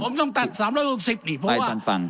ผมต้องตัด๓๖๐นี่เพราะว่า